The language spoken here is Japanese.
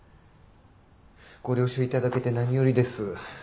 ご了承いただけて何よりです。